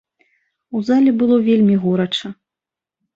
У зале было вельмі горача.